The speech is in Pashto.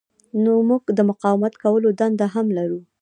نو موږ د مقاومت کولو دنده هم لرو.